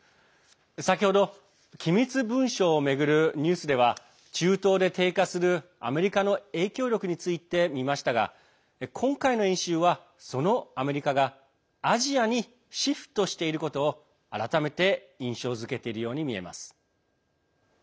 先ほど機密文書を巡るニュースでは中東で低下する、アメリカの影響力について見ましたが今回の演習は、そのアメリカがアジアにシフトしていることを改めて印象づけているように見えます。